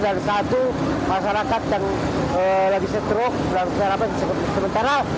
dan satu masyarakat yang lagi setruk dan sesak napas sementara